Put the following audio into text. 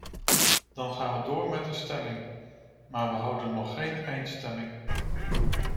Dan gaan we door met de stemming, maar we houden nog geen eindstemming.